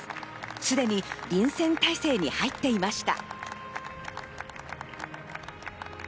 すでに臨戦態勢に入っていました。